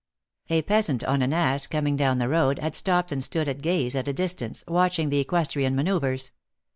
A peasant on an ass, coming down the road, had stopped and stood at gaze at a distance, watching these equestrian manoeuvres.